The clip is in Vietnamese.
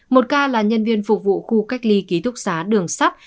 một ca là nhân viên phục vụ khu cách ly ký túc xá đường sắt